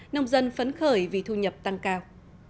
nông dân phấn khởi vì thu nhập tăng cao